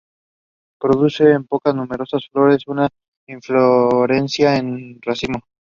Producen de pocas a numerosas flores en una inflorescencia en racimo.